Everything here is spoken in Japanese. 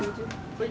はい。